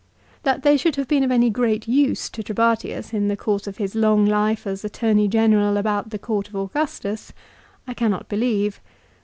That they should have been of any great use to Trebatius in the course of his long life as Attorney General about the court of Augustus I cannot believe.